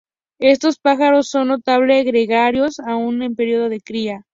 Estos pájaros son notablemente gregarios, aún en período de cría.